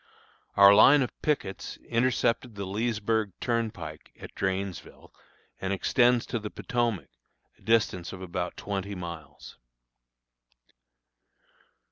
Our line of pickets intercepts the Leesburg turnpike at Drainesville and extends to the Potomac, a distance of about twenty miles.